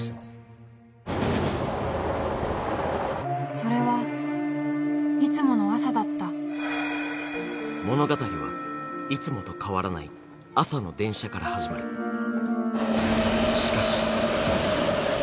それはいつもの朝だった物語はいつもと変わらない朝の電車から始まるしかし